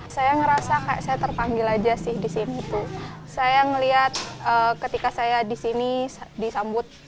saya ngerasa kayak saya terpanggil aja sih disini tuh saya ngeliat ketika saya disini disambut